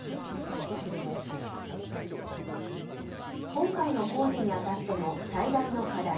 今回の工事にあたっての最大の課題。